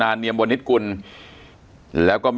อันดับสุดท้าย